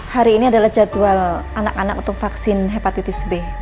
hari ini adalah jadwal anak anak untuk vaksin hepatitis b